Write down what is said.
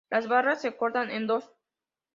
Las barras se cortan en dos.